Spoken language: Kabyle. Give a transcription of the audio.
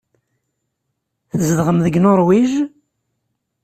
Tzedɣem deg Nuṛwij?